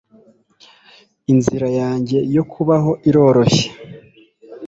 inzira yanjye yo kubaho iroroshye